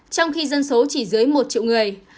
trong khi dân số chỉ dưới một triệu người